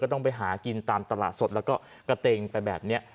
ก็ต้องไปหากินตามตลาดสดแล้วก็เก๋บมาแบบเนี้ย